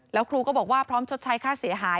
แล้วครูก็บอกว่าพร้อมชดใช้ค่าเสียหาย